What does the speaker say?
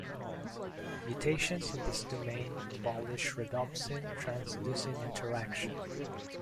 Mutations in this domain abolish rhodopsin-transducin interaction.